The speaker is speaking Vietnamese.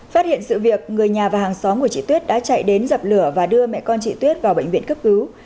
phát hiện sự việc người nhà và hàng xóm của chị tuyết đã chạy đến dập lửa và đưa mẹ con chị tuyết vào bệnh viện cấp cứu